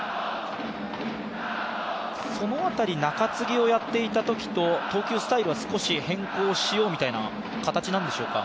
その辺り、中継ぎをやっていたときと投球スタイルは変更しようという形なんでしょうか。